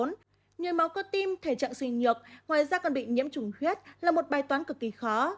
người máu cơ tim thể trạng suy nhược ngoài ra còn bị nhiễm trùng huyết là một bài toán cực kỳ khó